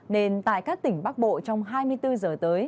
nên tại các tỉnh bắc bộ trong hai mươi bốn giờ tới